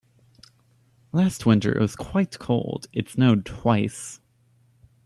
Last winter was quite cold, it snowed twice.